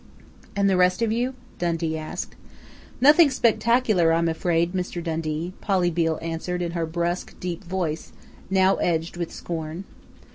"And the rest of you?" Dundee asked. "Nothing spectacular, I'm afraid, Mr. Dundee," Polly Beale answered in her brusque, deep voice, now edged with scorn.